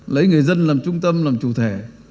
lấy người dân làm trung tâm làm chủ thể